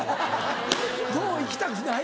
もう行きたくない。